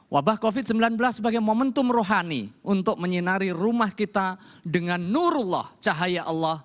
wabah covid sembilan belas sebagai momentum rohani untuk menyinari rumah kita dengan nurullah cahaya allah